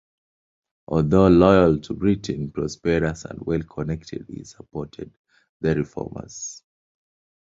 Although loyal to Britain, prosperous and well-connected, he supported the Reformers.